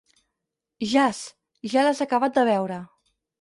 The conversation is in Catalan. Jas... ja l'has acabat de veure.